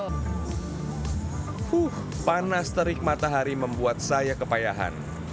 uh panas terik matahari membuat saya kepayahan